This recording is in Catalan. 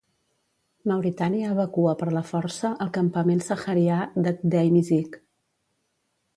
Mauritània evacua per la força el campament saharià de Gdeim Izik.